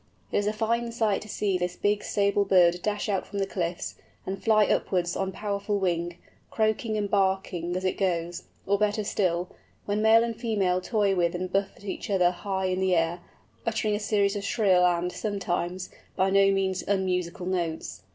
It is a fine sight to see this big sable bird dash out from the cliffs, and fly upwards on powerful wing, croaking and barking as it goes; or, better still, when male and female toy with and buffet each other high in air, uttering a series of shrill and, sometimes, by no means unmusical notes.